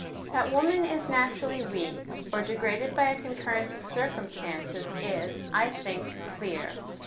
That woman is naturally weak, or degraded by a concurrence of circumstances is, I think, clear.